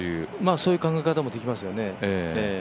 そういう考え方もできますよね。